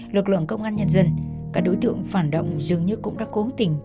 lực lượng công an nhân dân các đối tượng phản động dường như cũng đã cố tình